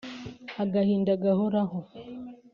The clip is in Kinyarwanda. agahinda gahoraho